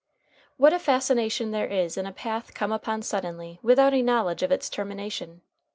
What a fascination there is in a path come upon suddenly without a knowledge of its termination!